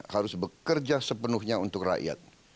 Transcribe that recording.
harus bekerja sepenuhnya untuk rakyat